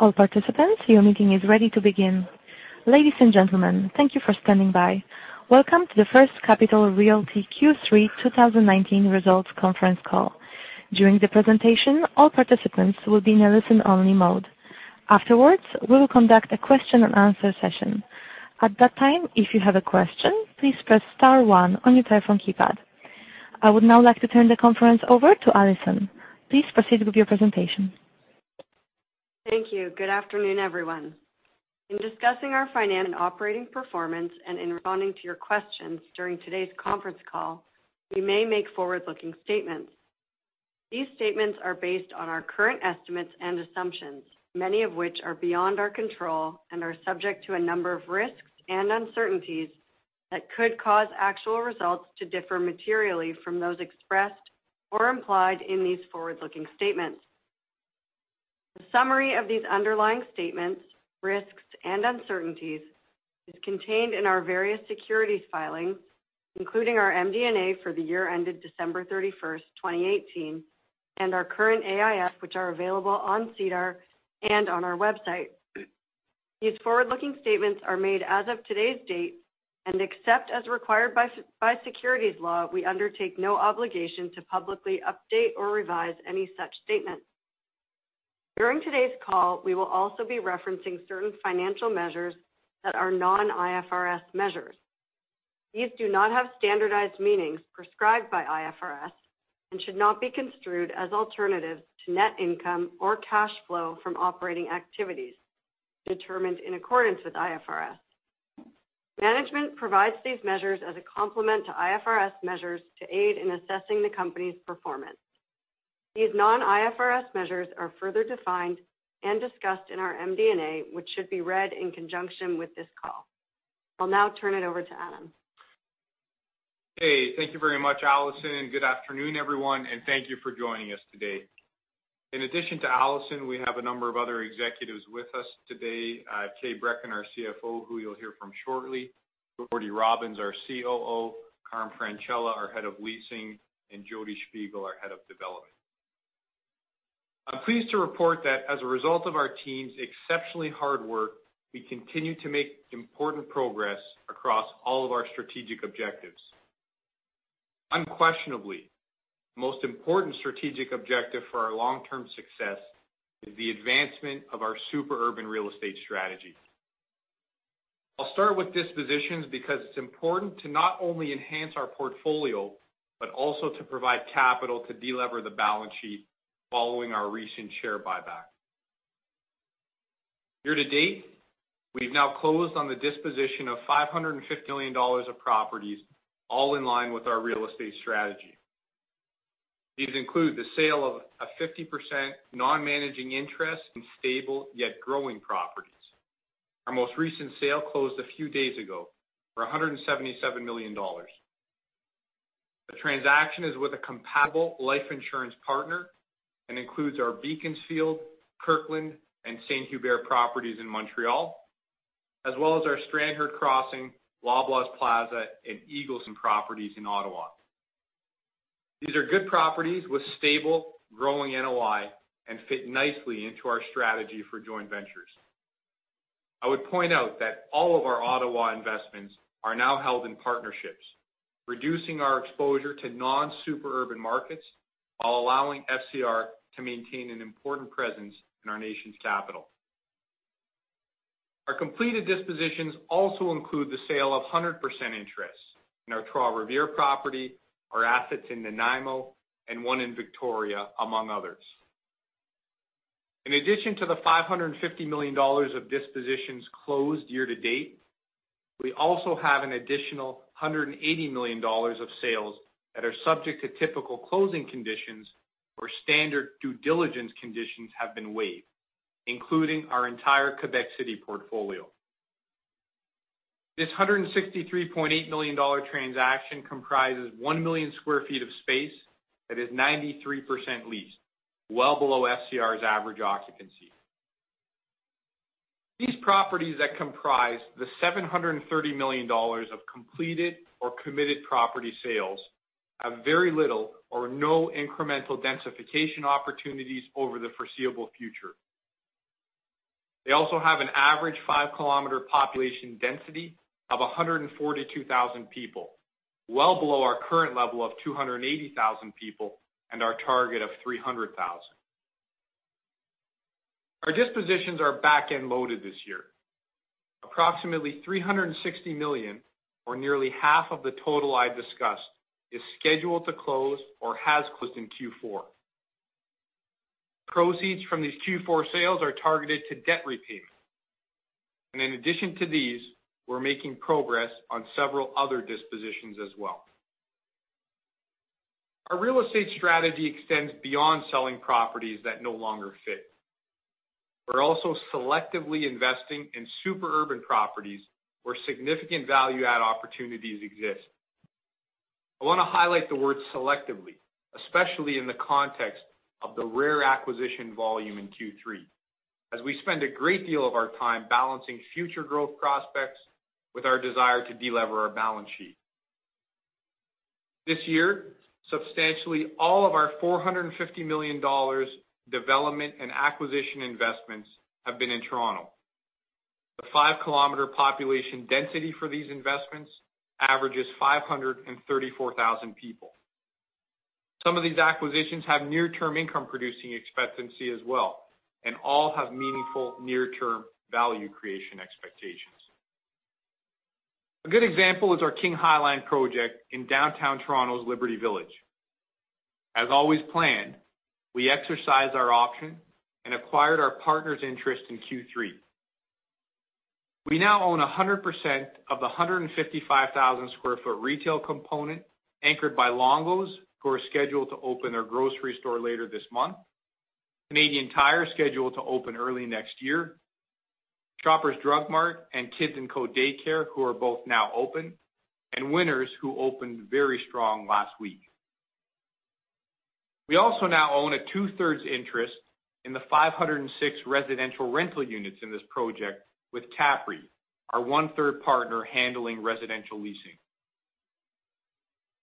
All participants, your meeting is ready to begin. Ladies and gentlemen, thank you for standing by. Welcome to the First Capital Realty Q3 2019 Results Conference Call. During the presentation, all participants will be in a listen-only mode. Afterwards, we will conduct a question and answer session. At that time, if you have a question, please press star one on your telephone keypad. I would now like to turn the conference over to Alison. Please proceed with your presentation. Thank you. Good afternoon, everyone. In discussing our finance and operating performance and in responding to your questions during today's conference call, we may make forward-looking statements. These statements are based on our current estimates and assumptions, many of which are beyond our control and are subject to a number of risks and uncertainties that could cause actual results to differ materially from those expressed or implied in these forward-looking statements. A summary of these underlying statements, risks, and uncertainties is contained in our various securities filings, including our MD&A for the year ended December 31st, 2018, and our current AIF, which are available on SEDAR and on our website. These forward-looking statements are made as of today's date, and except as required by securities law, we undertake no obligation to publicly update or revise any such statements. During today's call, we will also be referencing certain financial measures that are non-IFRS measures. These do not have standardized meanings prescribed by IFRS and should not be construed as alternatives to net income or cash flow from operating activities determined in accordance with IFRS. Management provides these measures as a complement to IFRS measures to aid in assessing the company's performance. These non-IFRS measures are further defined and discussed in our MD&A, which should be read in conjunction with this call. I'll now turn it over to Adam. Hey, thank you very much, Alison. Good afternoon, everyone. Thank you for joining us today. In addition to Alison, we have a number of other executives with us today. Kay Brekken, our CFO, who you'll hear from shortly. Jordan Robins, our COO. Carmine Francella, our Head of Leasing, and Jodi Shpigel, our Head of Development. I'm pleased to report that as a result of our team's exceptionally hard work, we continue to make important progress across all of our strategic objectives. Unquestionably, the most important strategic objective for our long-term success is the advancement of our super urban real estate strategy. I'll start with dispositions because it's important to not only enhance our portfolio, but also to provide capital to delever the balance sheet following our recent share buyback. Year to date, we've now closed on the disposition of 550 million dollars of properties, all in line with our real estate strategy. These include the sale of a 50% non-managing interest in stable yet growing properties. Our most recent sale closed a few days ago for 177 million dollars. The transaction is with a compatible life insurance partner and includes our Beaconsfield, Kirkland, and Saint Hubert properties in Montreal, as well as our Strandherd Crossing, Loblaws Plaza, and Eagleson properties in Ottawa. These are good properties with stable, growing NOI and fit nicely into our strategy for joint ventures. I would point out that all of our Ottawa investments are now held in partnerships, reducing our exposure to non-super urban markets while allowing FCR to maintain an important presence in our nation's capital. Our completed dispositions also include the sale of 100% interest in our Trois-Rivières property, our assets in Nanaimo, and one in Victoria, among others. In addition to the 550 million dollars of dispositions closed year to date, we also have an additional 180 million dollars of sales that are subject to typical closing conditions where standard due diligence conditions have been waived, including our entire Quebec City portfolio. This 163.8 million dollar transaction comprises 1 million sq ft of space that is 93% leased, well below FCR's average occupancy. These properties that comprise the 730 million dollars of completed or committed property sales have very little or no incremental densification opportunities over the foreseeable future. They also have an average 5-kilometer population density of 142,000 people, well below our current level of 280,000 people and our target of 300,000. Our dispositions are back-end loaded this year. Approximately 360 million, or nearly half of the total I discussed, is scheduled to close or has closed in Q4. Proceeds from these Q4 sales are targeted to debt repayment. In addition to these, we're making progress on several other dispositions as well. Our real estate strategy extends beyond selling properties that no longer fit. We're also selectively investing in super urban properties where significant value add opportunities exist. I want to highlight the word selectively, especially in the context of the rare acquisition volume in Q3, as we spend a great deal of our time balancing future growth prospects with our desire to delever our balance sheet. This year, substantially all of our 450 million dollars development and acquisition investments have been in Toronto. The five-kilometer population density for these investments averages 534,000 people. Some of these acquisitions have near-term income-producing expectancy as well, and all have meaningful near-term value creation expectations. A good example is our King High Line project in downtown Toronto's Liberty Village. As always planned, we exercised our option and acquired our partner's interest in Q3. We now own 100% of the 155,000 sq ft retail component anchored by Longo's, who are scheduled to open their grocery store later this month. Canadian Tire is scheduled to open early next year. Shoppers Drug Mart and Kids & Company Daycare, who are both now open, and Winners, who opened very strong last week. We also now own a two-thirds interest in the 506 residential rental units in this project with CAPREIT, our one-third partner handling residential leasing.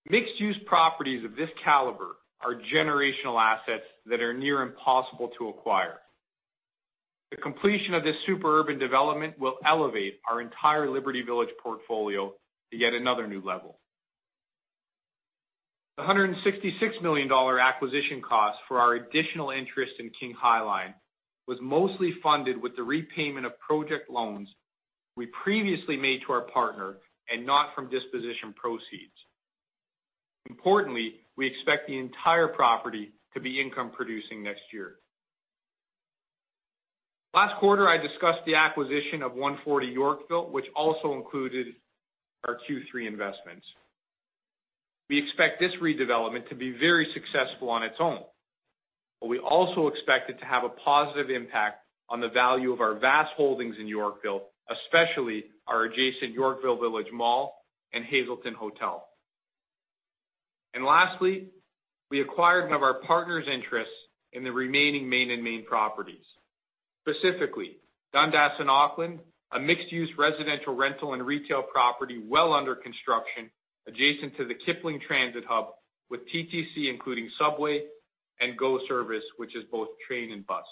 Mixed-use properties of this caliber are generational assets that are near impossible to acquire. The completion of this super urban development will elevate our entire Liberty Village portfolio to yet another new level. The 166 million dollar acquisition cost for our additional interest in King High Line was mostly funded with the repayment of project loans we previously made to our partner, and not from disposition proceeds. Importantly, we expect the entire property to be income producing next year. Last quarter, I discussed the acquisition of 140 Yorkville, which also included our Q3 investments. We expect this redevelopment to be very successful on its own, but we also expect it to have a positive impact on the value of our vast holdings in Yorkville, especially our adjacent Yorkville Village Mall and Hazelton Hotel. Lastly, we acquired one of our partner's interests in the remaining Main and Main properties. Specifically, Dundas and Auckland, a mixed-use residential rental and retail property well under construction adjacent to the Kipling transit hub, with TTC, including subway and GO service, which is both train and bus.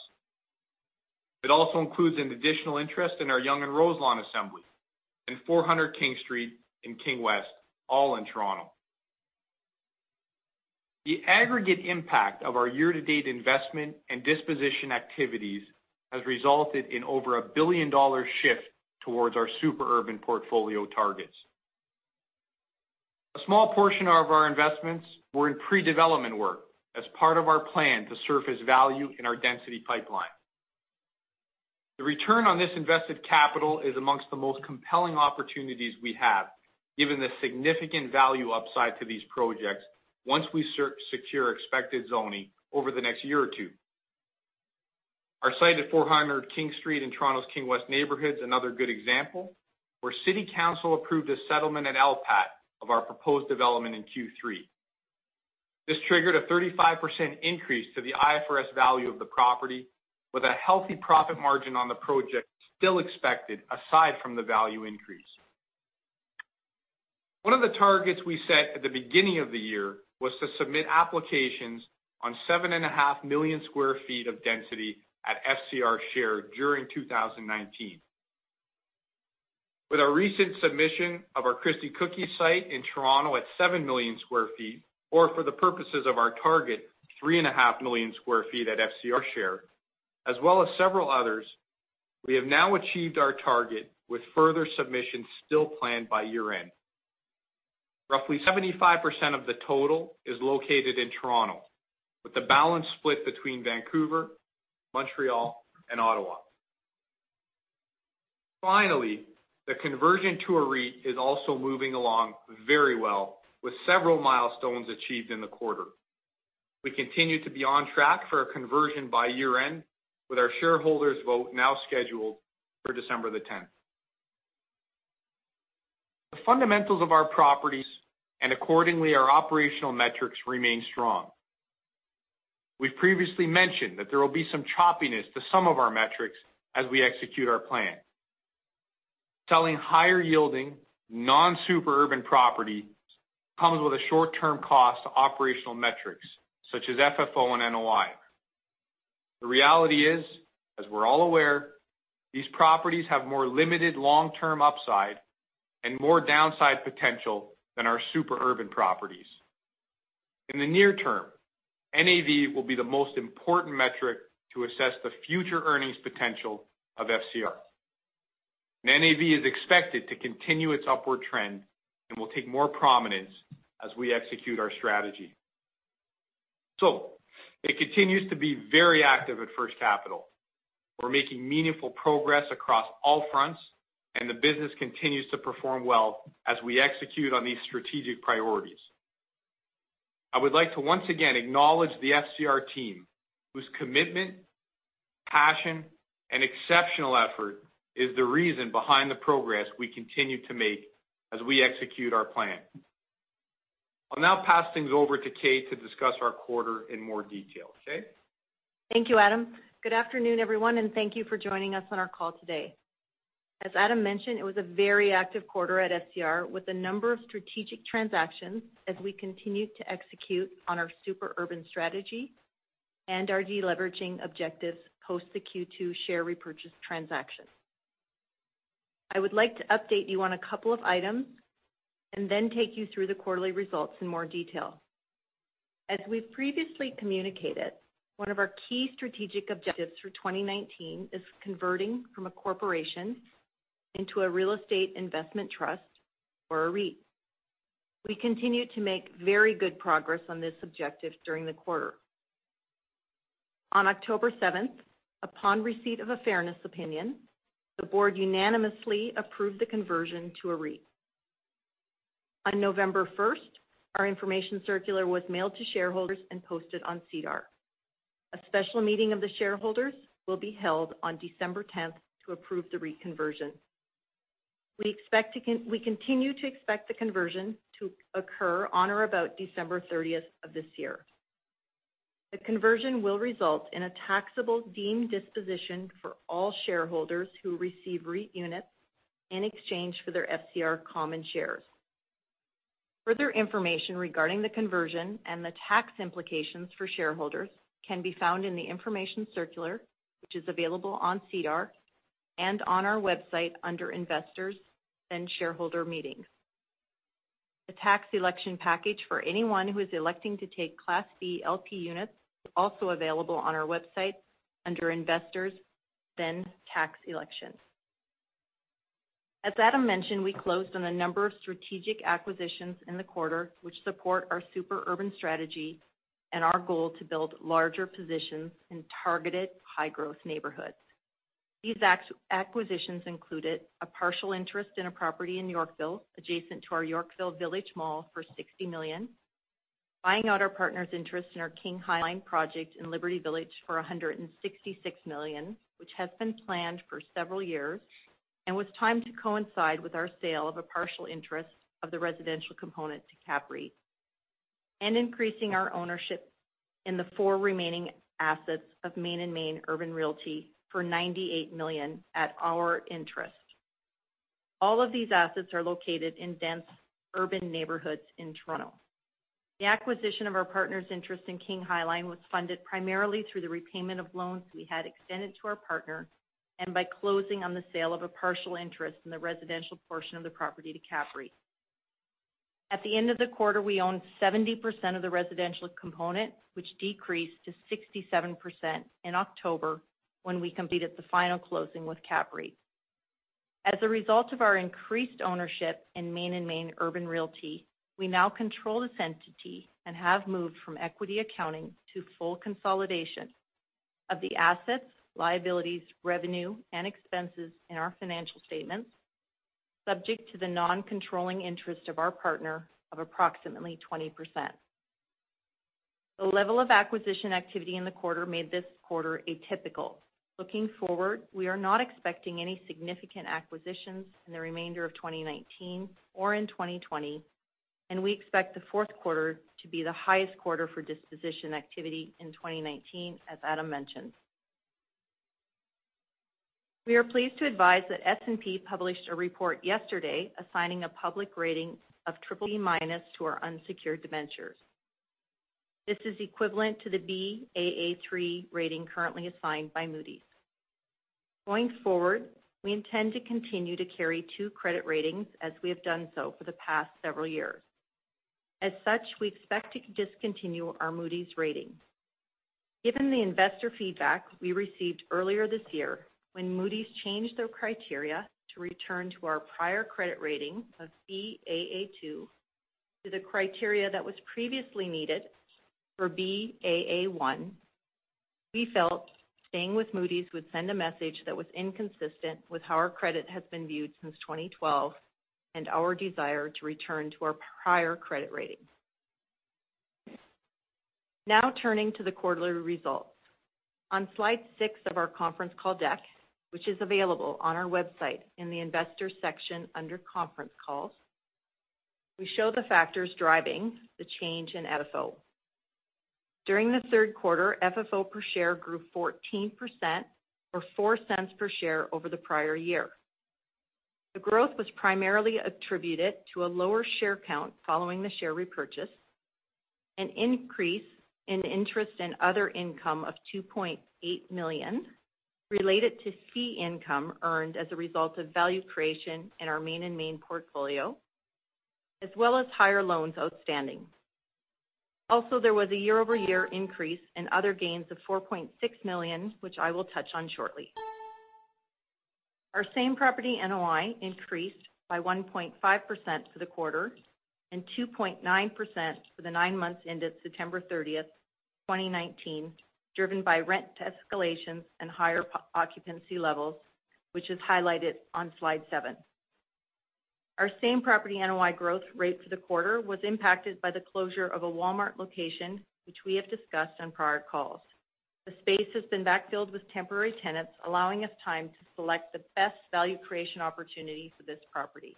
It also includes an additional interest in our Yonge and Roselawn assembly in 400 King Street in King West, all in Toronto. The aggregate impact of our year-to-date investment and disposition activities has resulted in over a billion-dollar shift towards our super urban portfolio targets. A small portion of our investments were in pre-development work as part of our plan to surface value in our density pipeline. The return on this invested capital is amongst the most compelling opportunities we have, given the significant value upside to these projects once we secure expected zoning over the next one or two years. Our site at 400 King Street in Toronto's King West neighborhood is another good example, where city council approved a settlement in LPAT of our proposed development in Q3. This triggered a 35% increase to the IFRS value of the property, with a healthy profit margin on the project still expected aside from the value increase. One of the targets we set at the beginning of the year was to submit applications on 7.5 million square feet of density at FCR share during 2019. With our recent submission of our Christie Cookie site in Toronto at 7 million square feet, or for the purposes of our target, 3.5 million square feet at FCR share, as well as several others, we have now achieved our target with further submissions still planned by year-end. Roughly 75% of the total is located in Toronto, with the balance split between Vancouver, Montreal, and Ottawa. Finally, the conversion to a REIT is also moving along very well, with several milestones achieved in the quarter. We continue to be on track for a conversion by year-end, with our shareholders vote now scheduled for December the 10th. The fundamentals of our properties, and accordingly, our operational metrics, remain strong. We've previously mentioned that there will be some choppiness to some of our metrics as we execute our plan. Selling higher-yielding, non-super urban properties comes with a short-term cost to operational metrics such as FFO and NOI. The reality is, as we're all aware, these properties have more limited long-term upside and more downside potential than our super urban properties. In the near term, NAV will be the most important metric to assess the future earnings potential of FCR. NAV is expected to continue its upward trend and will take more prominence as we execute our strategy. It continues to be very active at First Capital. We're making meaningful progress across all fronts, and the business continues to perform well as we execute on these strategic priorities. I would like to once again acknowledge the FCR team, whose commitment, passion, and exceptional effort is the reason behind the progress we continue to make as we execute our plan. I'll now pass things over to Kay to discuss our quarter in more detail. Kay? Thank you, Adam. Good afternoon, everyone, and thank you for joining us on our call today. As Adam mentioned, it was a very active quarter at FCR with a number of strategic transactions as we continued to execute on our super urban strategy and our de-leveraging objectives post the Q2 share repurchase transaction. I would like to update you on a couple of items, and then take you through the quarterly results in more detail. As we've previously communicated, one of our key strategic objectives for 2019 is converting from a corporation into a real estate investment trust or a REIT. We continued to make very good progress on this objective during the quarter. On October 7th, upon receipt of a fairness opinion, the board unanimously approved the conversion to a REIT. On November 1st, our information circular was mailed to shareholders and posted on SEDAR. A special meeting of the shareholders will be held on December 10th to approve the REIT conversion. We continue to expect the conversion to occur on or about December 30th of this year. The conversion will result in a taxable deemed disposition for all shareholders who receive REIT units in exchange for their FCR common shares. Further information regarding the conversion and the tax implications for shareholders can be found in the information circular, which is available on SEDAR and on our website under Investors, then Shareholder Meetings. The tax election package for anyone who is electing to take Class B LP units is also available on our website under Investors, then Tax Election. As Adam mentioned, we closed on a number of strategic acquisitions in the quarter, which support our super urban strategy and our goal to build larger positions in targeted high-growth neighborhoods. These acquisitions included a partial interest in a property in Yorkville adjacent to our Yorkville Village Mall for 60 million. Buying out our partner's interest in our King High Line project in Liberty Village for 166 million, which has been planned for several years, and was timed to coincide with our sale of a partial interest of the residential component to CAPREIT. Increasing our ownership in the four remaining assets of Main and Main Urban Realty for 98 million at our interest. All of these assets are located in dense urban neighborhoods in Toronto. The acquisition of our partner's interest in King High Line was funded primarily through the repayment of loans we had extended to our partner and by closing on the sale of a partial interest in the residential portion of the property to CAPREIT. At the end of the quarter, we owned 70% of the residential component, which decreased to 67% in October when we completed the final closing with CAPREIT. As a result of our increased ownership in Main and Main Urban Realty, we now control this entity and have moved from equity accounting to full consolidation of the assets, liabilities, revenue, and expenses in our financial statements, subject to the non-controlling interest of our partner of approximately 20%. The level of acquisition activity in the quarter made this quarter atypical. Looking forward, we are not expecting any significant acquisitions in the remainder of 2019 or in 2020, and we expect the fourth quarter to be the highest quarter for disposition activity in 2019, as Adam mentioned. We are pleased to advise that S&P published a report yesterday assigning a public rating of triple B minus to our unsecured debentures. This is equivalent to the Baa3 rating currently assigned by Moody's. We intend to continue to carry two credit ratings as we have done so for the past several years. We expect to discontinue our Moody's rating. Given the investor feedback we received earlier this year when Moody's changed their criteria to return to our prior credit rating of Baa2 to the criteria that was previously needed for Baa1, we felt staying with Moody's would send a message that was inconsistent with how our credit has been viewed since 2012, and our desire to return to our prior credit rating. Turning to the quarterly results. On slide six of our conference call deck, which is available on our website in the Investors section under Conference Calls, we show the factors driving the change in FFO. During the third quarter, FFO per share grew 14% or 0.04 per share over the prior year. The growth was primarily attributed to a lower share count following the share repurchase, an increase in interest and other income of 2.8 million related to fee income earned as a result of value creation in our Main and Main portfolio, as well as higher loans outstanding. Also, there was a year-over-year increase in other gains of 4.6 million, which I will touch on shortly. Our same property NOI increased by 1.5% for the quarter and 2.9% for the nine months ended September 30, 2019, driven by rent escalations and higher occupancy levels, which is highlighted on slide seven. Our same property NOI growth rate for the quarter was impacted by the closure of a Walmart location, which we have discussed on prior calls. The space has been backfilled with temporary tenants, allowing us time to select the best value creation opportunity for this property.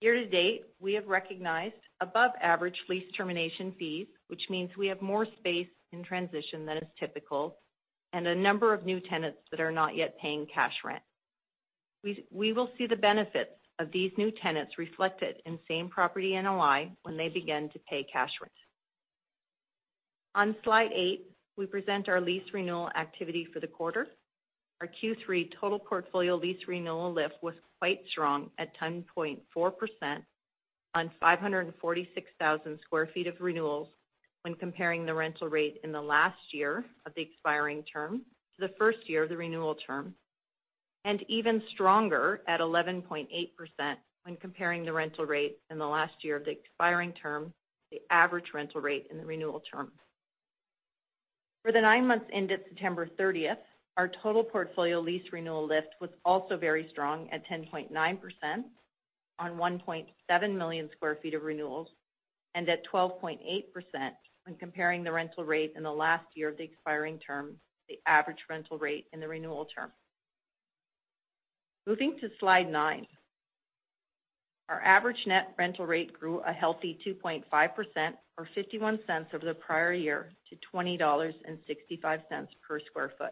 Year-to-date, we have recognized above average lease termination fees, which means we have more space in transition than is typical, and a number of new tenants that are not yet paying cash rent. We will see the benefits of these new tenants reflected in same property NOI when they begin to pay cash rent. On slide eight, we present our lease renewal activity for the quarter. Our Q3 total portfolio lease renewal lift was quite strong at 10.4% on 546,000 sq ft of renewals when comparing the rental rate in the last year of the expiring term to the first year of the renewal term, and even stronger at 11.8% when comparing the rental rate in the last year of the expiring term to the average rental rate in the renewal term. For the nine months ended September 30th, our total portfolio lease renewal lift was also very strong at 10.9% on 1.7 million sq ft of renewals and at 12.8% when comparing the rental rate in the last year of the expiring term to the average rental rate in the renewal term. Moving to slide nine. Our average net rental rate grew a healthy 2.5%, or 0.51 over the prior year to 20.65 dollars per sq ft.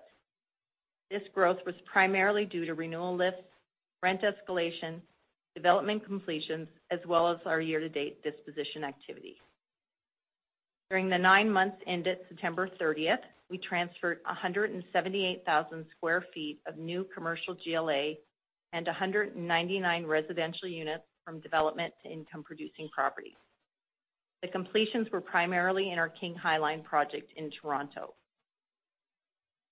This growth was primarily due to renewal lifts, rent escalation, development completions, as well as our year-to-date disposition activity. During the nine months ended September 30th, we transferred 178,000 sq ft of new commercial GLA and 199 residential units from development to income-producing properties. The completions were primarily in our King High Line project in Toronto.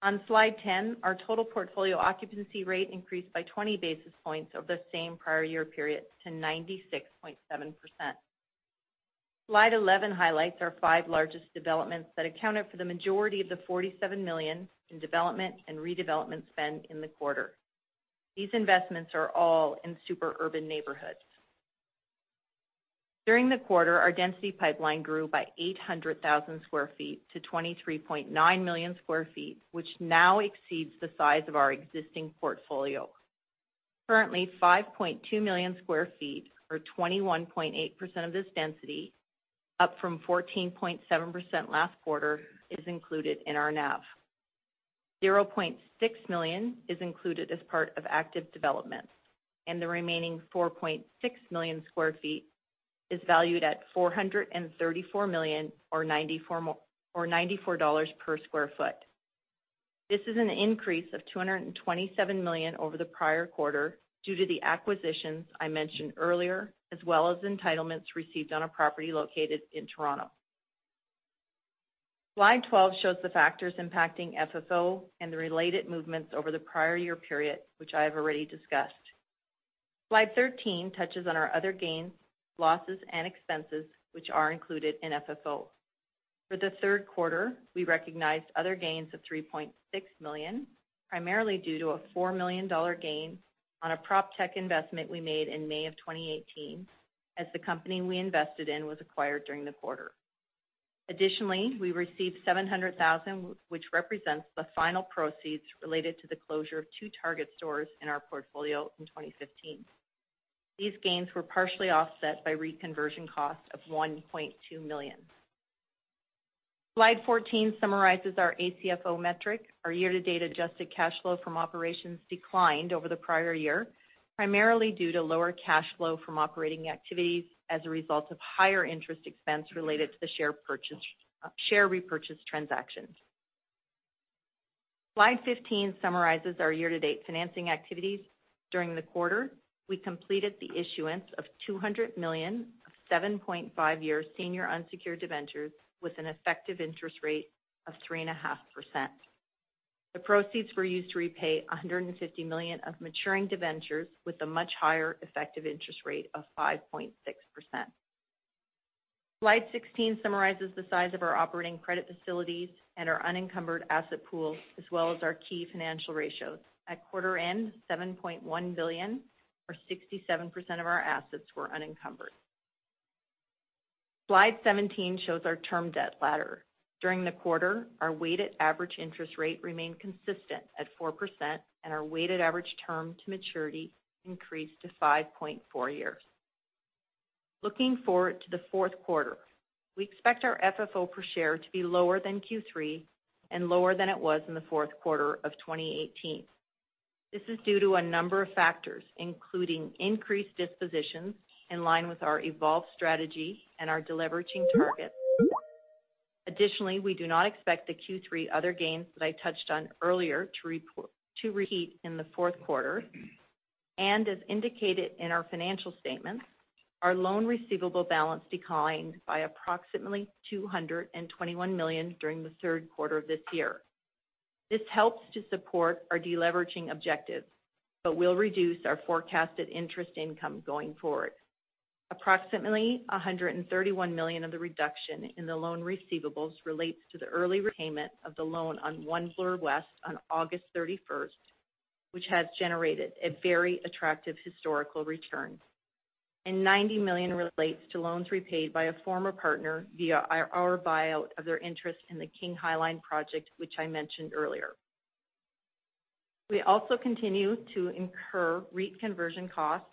On slide 10, our total portfolio occupancy rate increased by 20 basis points over the same prior year period to 96.7%. Slide 11 highlights our five largest developments that accounted for the majority of the 47 million in development and redevelopment spend in the quarter. These investments are all in super urban neighborhoods. During the quarter, our density pipeline grew by 800,000 sq ft to 23.9 million sq ft, which now exceeds the size of our existing portfolio. Currently, 5.2 million sq ft or 21.8% of this density, up from 14.7% last quarter, is included in our NAV. 0.6 million is included as part of active development, and the remaining 4.6 million sq ft is valued at 434 million or 94 per sq ft. This is an increase of 227 million over the prior quarter due to the acquisitions I mentioned earlier, as well as entitlements received on a property located in Toronto. Slide 12 shows the factors impacting FFO and the related movements over the prior year period, which I have already discussed. Slide 13 touches on our other gains, losses, and expenses, which are included in FFO. For the third quarter, we recognized other gains of 3.6 million, primarily due to a 4 million dollar gain on a PropTech investment we made in May of 2018 as the company we invested in was acquired during the quarter. We received 700,000, which represents the final proceeds related to the closure of two Target stores in our portfolio in 2015. These gains were partially offset by reconversion costs of 1.2 million. Slide 14 summarizes our ACFO metric. Our year-to-date adjusted cash flow from operations declined over the prior year, primarily due to lower cash flow from operating activities as a result of higher interest expense related to the share repurchase transactions. Slide 15 summarizes our year-to-date financing activities. During the quarter, we completed the issuance of 200 million of 7.5-year senior unsecured debentures with an effective interest rate of 3.5%. The proceeds were used to repay 150 million of maturing debentures with a much higher effective interest rate of 5.6%. Slide 16 summarizes the size of our operating credit facilities and our unencumbered asset pool, as well as our key financial ratios. At quarter end, 7.1 billion or 67% of our assets were unencumbered. Slide 17 shows our term debt ladder. During the quarter, our weighted average interest rate remained consistent at 4%, and our weighted average term to maturity increased to 5.4 years. Looking forward to the fourth quarter, we expect our FFO per share to be lower than Q3 and lower than it was in the fourth quarter of 2018. This is due to a number of factors, including increased dispositions in line with our evolved strategy and our deleveraging targets. Additionally, we do not expect the Q3 other gains that I touched on earlier to repeat in the fourth quarter. As indicated in our financial statements, our loan receivable balance declined by approximately 221 million during the third quarter of this year. This helps to support our deleveraging objective but will reduce our forecasted interest income going forward. Approximately 131 million of the reduction in the loan receivables relates to the early repayment of the loan on One Bloor West on August 31st, which has generated a very attractive historical return. 90 million relates to loans repaid by a former partner via our buyout of their interest in the King High Line project, which I mentioned earlier. We also continue to incur REIT conversion costs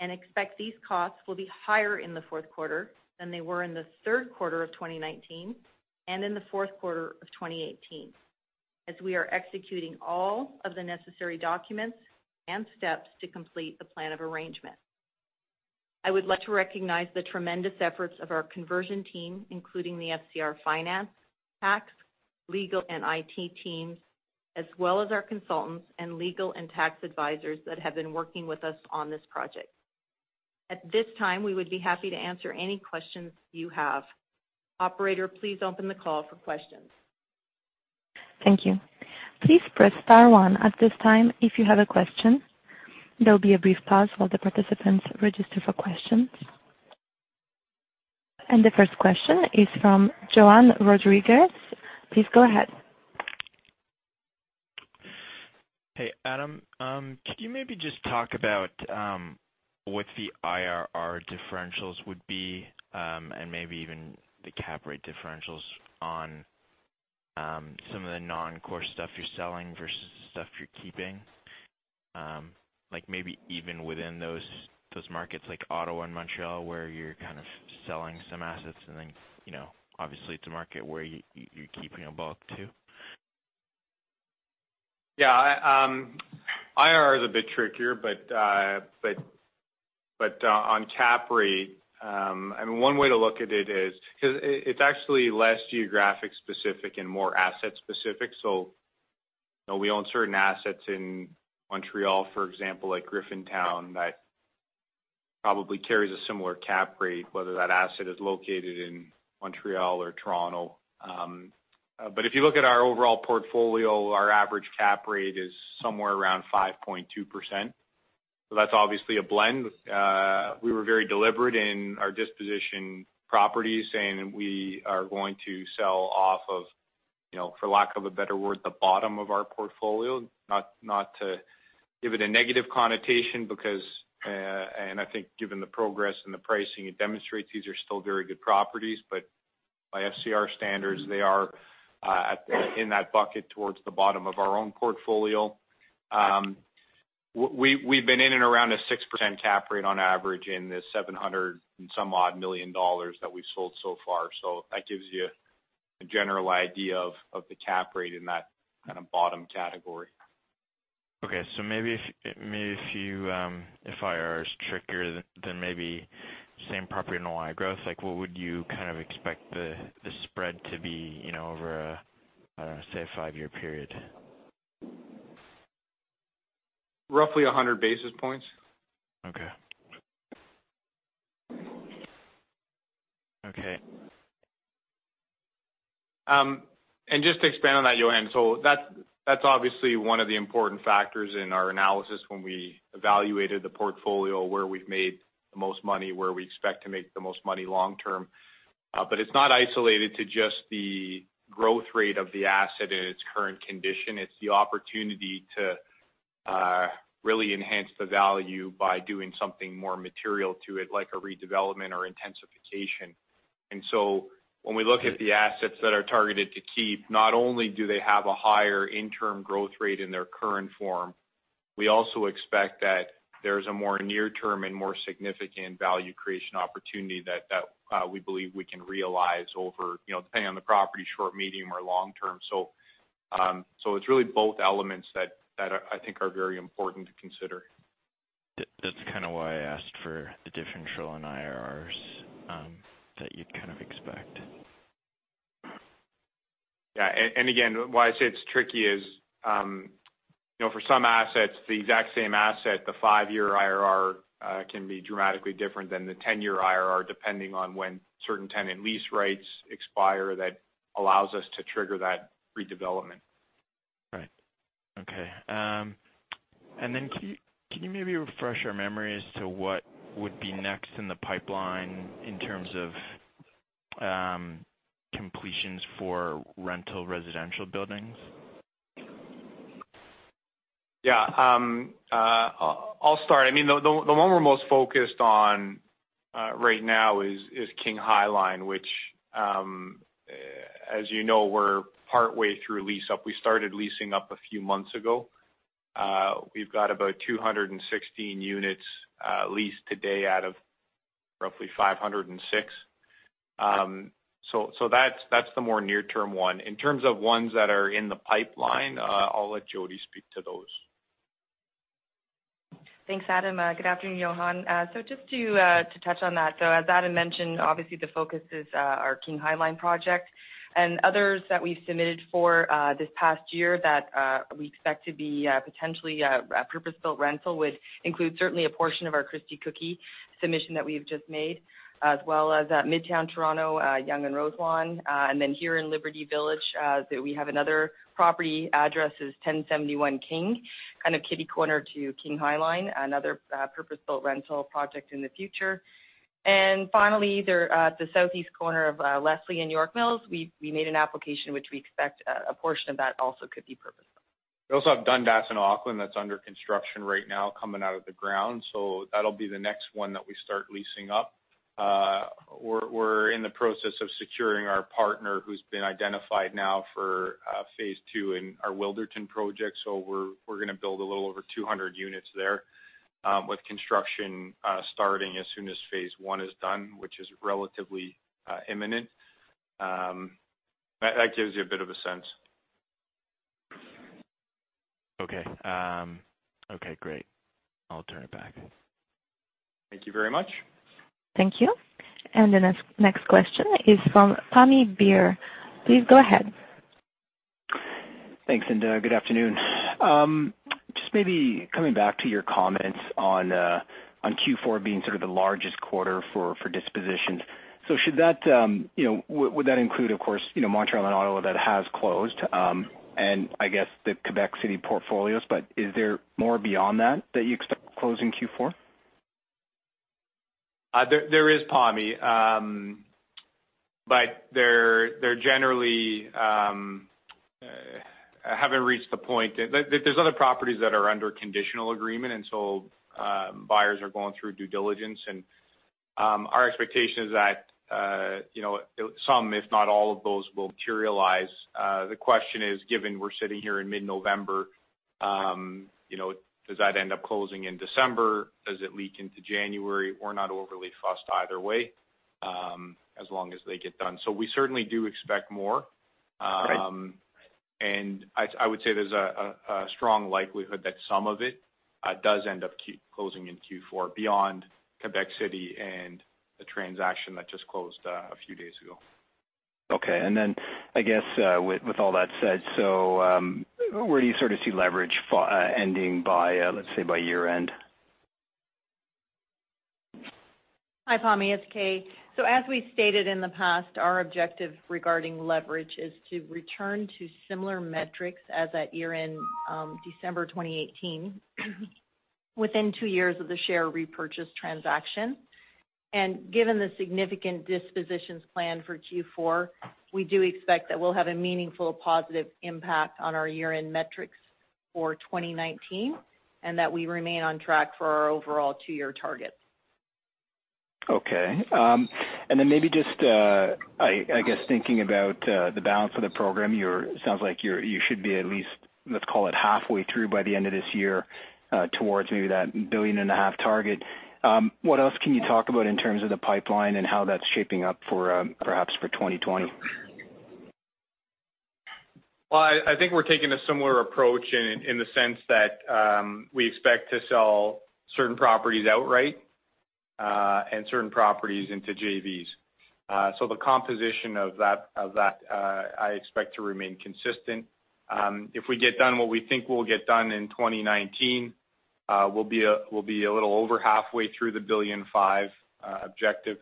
and expect these costs will be higher in the fourth quarter than they were in the third quarter of 2019 and in the fourth quarter of 2018, as we are executing all of the necessary documents and steps to complete the plan of arrangement. I would like to recognize the tremendous efforts of our conversion team, including the FCR finance, tax, legal, and IT teams, as well as our consultants and legal and tax advisors that have been working with us on this project. At this time, we would be happy to answer any questions you have. Operator, please open the call for questions. Thank you. Please press star one at this time if you have a question. There'll be a brief pause while the participants register for questions. The first question is from Johan Rodriguez. Please go ahead. Hey, Adam. Could you maybe just talk about what the IRR differentials would be, and maybe even the cap rate differentials on some of the non-core stuff you're selling versus the stuff you're keeping? Maybe even within those markets like Ottawa and Montreal, where you're kind of selling some assets and then, obviously it's a market where you're keeping a bulk too. Yeah. IRR is a bit trickier. On cap rate, one way to look at it is, it's actually less geographic specific and more asset specific. We own certain assets in Montreal, for example, like Griffintown, that probably carries a similar cap rate, whether that asset is located in Montreal or Toronto. If you look at our overall portfolio, our average cap rate is somewhere around 5.2%. That's obviously a blend. We were very deliberate in our disposition properties saying that we are going to sell off of, for lack of a better word, the bottom of our portfolio. Not to give it a negative connotation because, and I think given the progress and the pricing it demonstrates, these are still very good properties. By FCR standards, they are in that bucket towards the bottom of our own portfolio. We've been in and around a 6% cap rate on average in the 700 and some odd million dollars that we've sold so far. That gives you a general idea of the cap rate in that kind of bottom category. Okay. Maybe if IRR is trickier, then maybe same property in a Y growth, what would you kind of expect the spread to be over, say a five-year period? Roughly 100 basis points. Okay. Just to expand on that, Johan. That's obviously one of the important factors in our analysis when we evaluated the portfolio, where we've made the most money, where we expect to make the most money long term. It's not isolated to just the growth rate of the asset in its current condition. It's the opportunity to really enhance the value by doing something more material to it, like a redevelopment or intensification. When we look at the assets that are targeted to keep, not only do they have a higher interim growth rate in their current form, we also expect that there's a more near-term and more significant value creation opportunity that we believe we can realize over, depending on the property, short, medium, or long term. It's really both elements that I think are very important to consider. That's kind of why I asked for the differential in IRRs that you'd kind of expect. Yeah. Again, why I say it's tricky is, for some assets, the exact same asset, the 5-year IRR can be dramatically different than the 10-year IRR, depending on when certain tenant lease rates expire that allows us to trigger that redevelopment. Right. Okay. Can you maybe refresh our memory as to what would be next in the pipeline in terms of completions for rental residential buildings? Yeah. I'll start. The one we're most focused on right now is King High Line, which, as you know, we're partway through lease up. We started leasing up a few months ago. We've got about 216 units leased today out of roughly 506. That's the more near-term one. In terms of ones that are in the pipeline, I'll let Jodi speak to those. Thanks, Adam. Good afternoon, Johan. Just to touch on that. As Adam mentioned, obviously the focus is our King High Line project. Others that we've submitted for this past year that we expect to be potentially a purpose-built rental would include certainly a portion of our Christie Cookie submission that we've just made, as well as at Midtown Toronto, Yonge and Roselawn, and then here in Liberty Village, we have another property, address is 1071 King, kind of kitty-corner to King High Line, another purpose-built rental project in the future. Finally, at the southeast corner of Leslie and York Mills, we made an application which we expect a portion of that also could be purpose-built. We also have Dundas and Auckland that's under construction right now, coming out of the ground. That'll be the next one that we start leasing up. We're in the process of securing our partner who's been identified now for phase 2 in our Wilderton project. We're going to build a little over 200 units there, with construction starting as soon as phase 1 is done, which is relatively imminent. That gives you a bit of a sense. Okay, great. I'll turn it back. Thank you very much. Thank you. The next question is from Pammi Bir. Please go ahead. Thanks. Good afternoon. Just maybe coming back to your comments on Q4 being sort of the largest quarter for dispositions. Would that include, of course, Montreal and Ottawa that has closed, and I guess the Quebec City portfolios? Is there more beyond that you expect to close in Q4? There is, Pammi. They generally haven't reached the point. There's other properties that are under conditional agreement, buyers are going through due diligence. Our expectation is that some, if not all of those, will materialize. The question is, given we're sitting here in mid-November, does that end up closing in December? Does it leak into January? We're not overly fussed either way, as long as they get done. We certainly do expect more. Great. I would say there's a strong likelihood that some of it does end up closing in Q4 beyond Quebec City and the transaction that just closed a few days ago. Okay. I guess, with all that said, where do you sort of see leverage ending by, let's say, by year-end? Hi, Pammi. It's Kay. As we stated in the past, our objective regarding leverage is to return to similar metrics as at year-end December 2018, within two years of the share repurchase transaction. Given the significant dispositions planned for Q4, we do expect that we'll have a meaningful positive impact on our year-end metrics for 2019, and that we remain on track for our overall two-year targets. Okay. Maybe just, I guess, thinking about the balance of the program, sounds like you should be at least, let's call it, halfway through by the end of this year towards maybe that billion and a half target. What else can you talk about in terms of the pipeline and how that's shaping up perhaps for 2020? Well, I think we're taking a similar approach in the sense that we expect to sell certain properties outright, and certain properties into JVs. The composition of that, I expect to remain consistent. If we get done what we think we'll get done in 2019, we'll be a little over halfway through the 1.5 billion objective.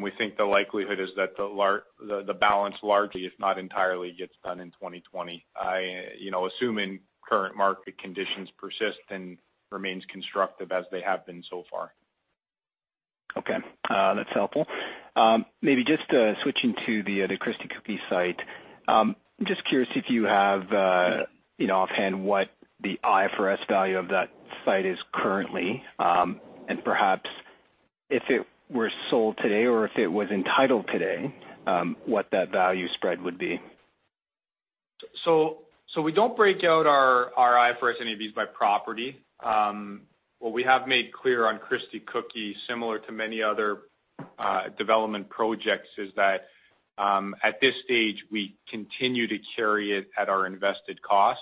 We think the likelihood is that the balance largely, if not entirely, gets done in 2020, assuming current market conditions persist and remains constructive as they have been so far. Okay. That's helpful. Maybe just switching to the Christie Cookie site. Just curious if you have offhand what the IFRS value of that site is currently, and perhaps if it were sold today, or if it was entitled today, what that value spread would be. We don't break out our IFRS NAVs by property. What we have made clear on Christie Cookie, similar to many other development projects, is that at this stage, we continue to carry it at our invested cost.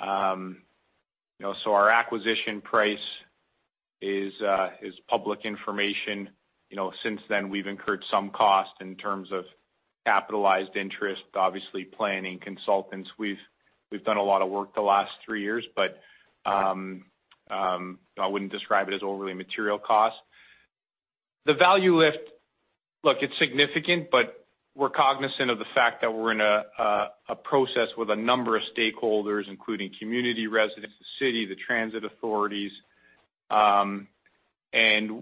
Our acquisition price is public information. Since then, we've incurred some cost in terms of capitalized interest, obviously planning, consultants. We've done a lot of work the last three years, but I wouldn't describe it as overly material cost. The value lift, look, it's significant, but we're cognizant of the fact that we're in a process with a number of stakeholders, including community residents, the city, the transit authorities. We're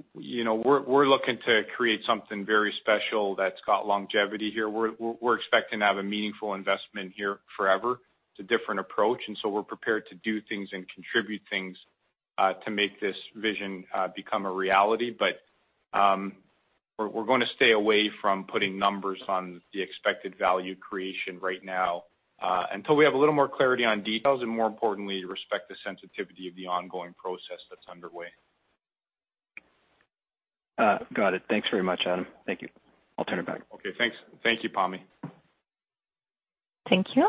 looking to create something very special that's got longevity here. We're expecting to have a meaningful investment here forever. It's a different approach, and so we're prepared to do things and contribute things to make this vision become a reality. We're going to stay away from putting numbers on the expected value creation right now until we have a little more clarity on details, and more importantly, respect the sensitivity of the ongoing process that's underway. Got it. Thanks very much, Adam. Thank you. I'll turn it back. Okay, thanks. Thank you, Pammi. Thank you.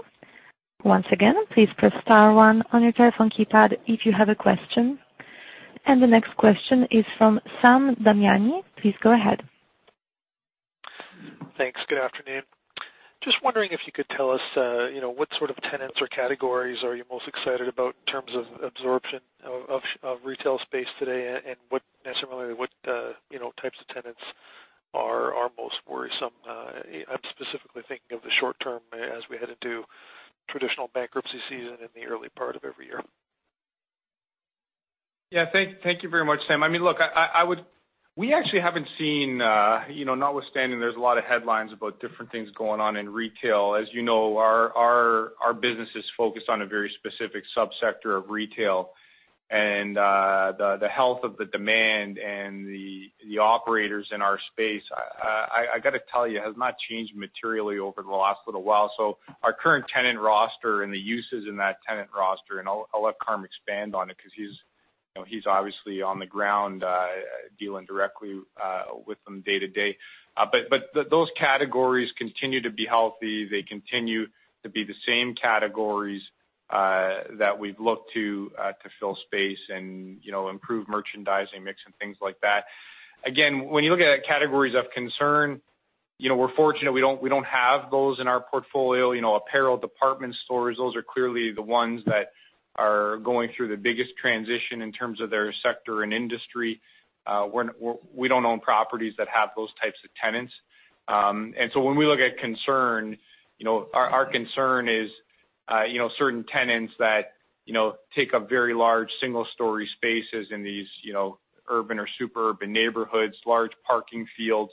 Once again, please press star one on your telephone keypad if you have a question. The next question is from Sam Damiani. Please go ahead. Thanks. Good afternoon. Just wondering if you could tell us what sort of tenants or categories are you most excited about in terms of absorption of retail space today, and necessarily, what types of tenants are most worrisome? I'm specifically thinking of the short term as we head into traditional bankruptcy season in the early part of every year. Yeah. Thank you very much, Sam. We actually haven't seen, notwithstanding there's a lot of headlines about different things going on in retail. As you know, our business is focused on a very specific sub-sector of retail. The health of the demand and the operators in our space, I got to tell you, has not changed materially over the last little while. Our current tenant roster and the uses in that tenant roster, and I'll let Karam expand on it because he's obviously on the ground dealing directly with them day to day. Those categories continue to be healthy. They continue to be the same categories that we've looked to fill space and improve merchandising mix and things like that. Again, when you look at categories of concern, we're fortunate we don't have those in our portfolio. Apparel, department stores, those are clearly the ones that are going through the biggest transition in terms of their sector and industry. We don't own properties that have those types of tenants. When we look at concern, our concern is certain tenants that take up very large single-story spaces in these urban or super urban neighborhoods, large parking fields,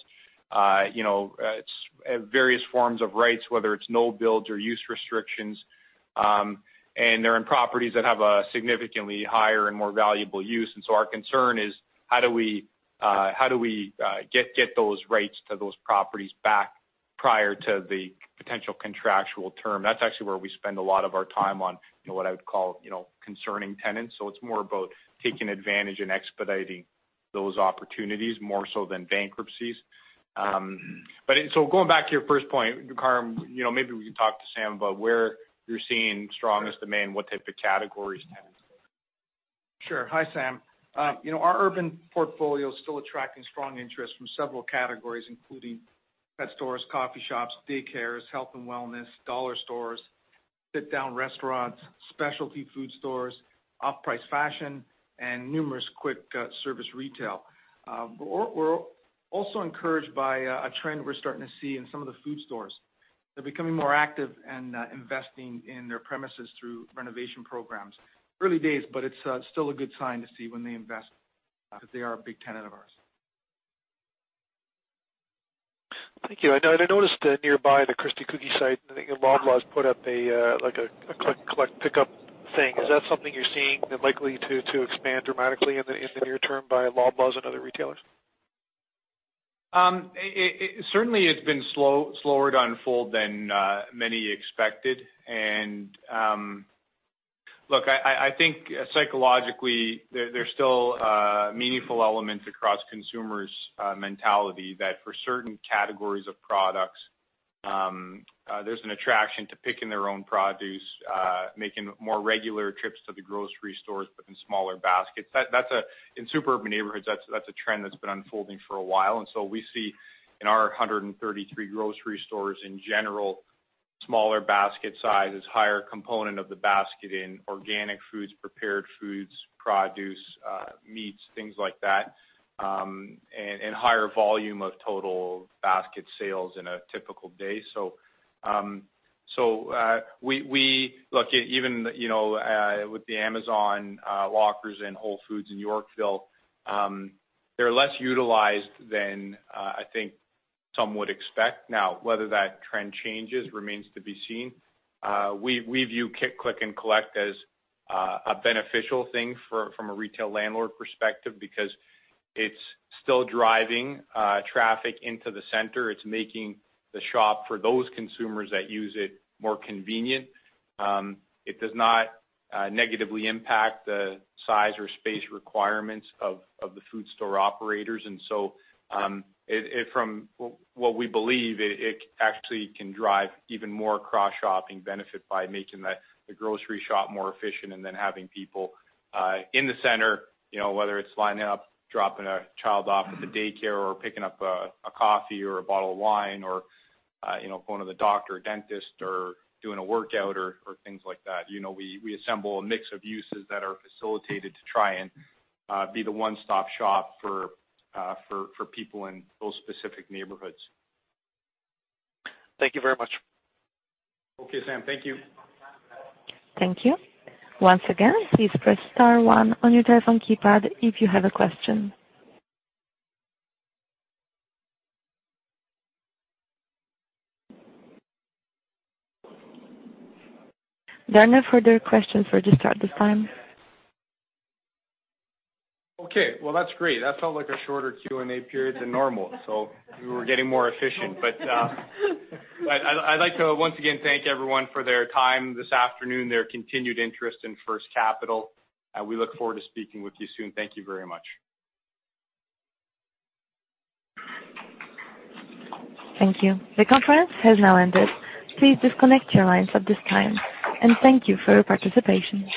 various forms of rights, whether it's no builds or use restrictions. They're in properties that have a significantly higher and more valuable use. Our concern is how do we get those rights to those properties back prior to the potential contractual term? That's actually where we spend a lot of our time on what I would call concerning tenants. It's more about taking advantage and expediting those opportunities more so than bankruptcies. Going back to your first point, Karam, maybe we can talk to Sam about where you're seeing strongest demand, what type of categories tenants. Sure. Hi, Sam. Our urban portfolio is still attracting strong interest from several categories, including pet stores, coffee shops, day cares, health and wellness, dollar stores, sit down restaurants, specialty food stores, off-price fashion, and numerous quick service retail. We're also encouraged by a trend we're starting to see in some of the food stores. They're becoming more active in investing in their premises through renovation programs. Early days, it's still a good sign to see when they invest because they are a big tenant of ours. Thank you. I noticed nearby the Christie Cookie site, I think Loblaws put up a click and collect pickup thing. Is that something you're seeing that likely to expand dramatically in the near term by Loblaws and other retailers? It certainly has been slower to unfold than many expected. Look, I think psychologically, there's still meaningful elements across consumers' mentality that for certain categories of products, there's an attraction to picking their own produce, making more regular trips to the grocery stores, but in smaller baskets. In super urban neighborhoods, that's a trend that's been unfolding for a while. We see in our 133 grocery stores, in general, smaller basket sizes, higher component of the basket in organic foods, prepared foods, produce, meats, things like that, and higher volume of total basket sales in a typical day. Look, even with the Amazon lockers in Whole Foods in Yorkville, they're less utilized than I think some would expect. Whether that trend changes remains to be seen. We view click and collect as a beneficial thing from a retail landlord perspective because it's still driving traffic into the center. It's making the shop for those consumers that use it more convenient. It does not negatively impact the size or space requirements of the food store operators. From what we believe, it actually can drive even more cross shopping benefit by making the grocery shop more efficient and then having people in the center, whether it's lining up, dropping a child off at the daycare, or picking up a coffee or a bottle of wine, or going to the doctor or dentist, or doing a workout, or things like that. We assemble a mix of uses that are facilitated to try and be the one-stop shop for people in those specific neighborhoods. Thank you very much. Okay, Sam. Thank you. Thank you. Once again, please press star one on your telephone keypad if you have a question. There are no further questions for this time. Okay. Well, that's great. That felt like a shorter Q&A period than normal, so we were getting more efficient. I'd like to once again thank everyone for their time this afternoon, their continued interest in First Capital. We look forward to speaking with you soon. Thank you very much. Thank you. The conference has now ended. Please disconnect your lines at this time, and thank you for your participation.